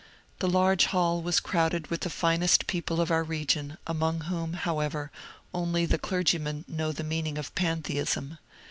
The large hall was crowded with the finest people of our region, among whom, however, only the clergymen know the meaning of Pantheism.